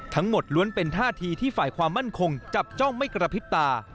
ล้วนเป็นท่าทีที่ฝ่ายความมั่นคงจับจ้องไม่กระพริบตา